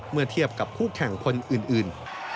เมื่อเทียบกับคู่แข่งคนอื่น